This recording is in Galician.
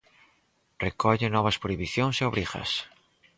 Recolle novas prohibicións e obrigas.